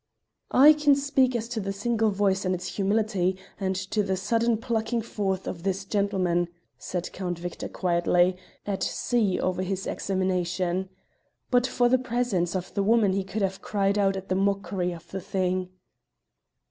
"I can speak as to the single voice and its humility, and to the sudden plucking forth of this gentleman," said Count Victor quietly, at sea over this examination. But for the presence of the woman he would have cried out at the mockery of the thing.